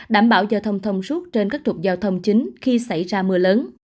đảm bảo giao thông thông suốt trên các trục giao thông chính khi xảy ra mưa lớn